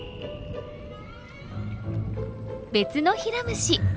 別のヒラムシ。